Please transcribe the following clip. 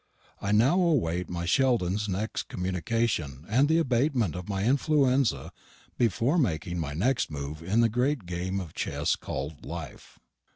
I now await my Sheldon's next communication and the abatement of my influenza before making my next move in the great game of chess called Life.